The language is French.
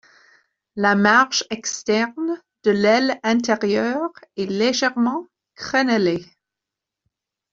La marge externe de l'aile antérieure est légèrement crénelée.